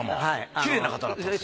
きれいな方だったんですか。